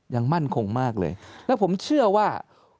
ยังมั่นคงมากเลยแล้วผมเชื่อว่า